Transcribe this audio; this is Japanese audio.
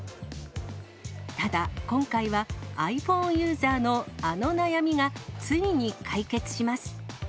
ただ、今回は、ｉＰｈｏｎｅユーザーのあの悩みがついに解決します。